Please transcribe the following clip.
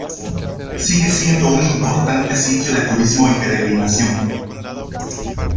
Sigue siendo un importante sitio de turismo y peregrinación.